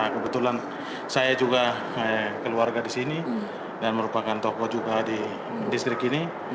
kebetulan saya juga keluarga di sini dan merupakan tokoh juga di distrik ini